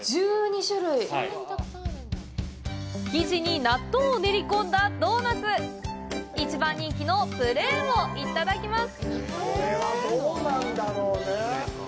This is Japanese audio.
生地に納豆を練り込んだドーナツ、一番人気のプレーンをいただきます。